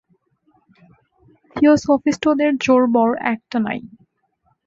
থিওসফিষ্টদের জোর বড় একটা নাই।